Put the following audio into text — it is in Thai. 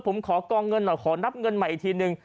ผมขอกองเงินหน่อยขอนับเงินใหม่อีกทีนึง